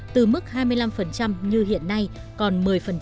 từ mức hai mươi năm như hiện nay còn một mươi